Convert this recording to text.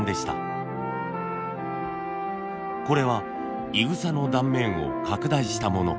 これはいぐさの断面を拡大したもの。